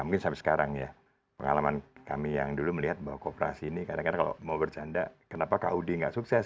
mungkin sampai sekarang ya pengalaman kami yang dulu melihat bahwa kooperasi ini kadang kadang kalau mau bercanda kenapa kud nggak sukses